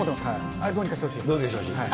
あれ、どうにどうにかしてほしい。